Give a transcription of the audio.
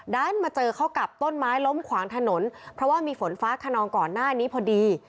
มาเจอเข้ากับต้นไม้ล้มขวางถนนเพราะว่ามีฝนฟ้าขนองก่อนหน้านี้พอดี